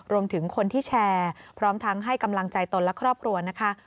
รวมถึงคนที่แชร์พร้อมทั้งให้กำลังใจตนและครอบครัวนะคะ